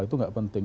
itu tidak penting